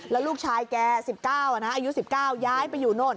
แล้วลูกชายแกสิบเก้าอะนะอายุสิบเก้าย้ายไปอยู่โน่น